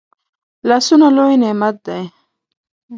لاسونه لوي نعمت دی